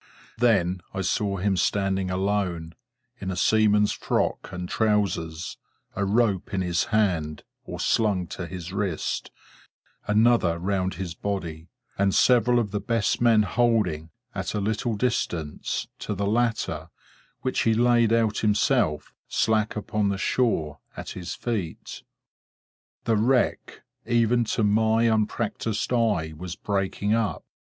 Then I saw him standing alone, in a seaman's frock and trousers: a rope in his hand, or slung to his wrist: another round his body: and several of the best men holding, at a little distance, to the latter, which he laid out himself, slack upon the shore, at his feet. The wreck, even to my unpractised eye, was breaking up.